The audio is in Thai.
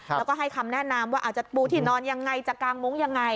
แล้วก็ให้คำแนะนำว่าอาจจะปูที่นอนยังไงจะกางมุ้งยังไง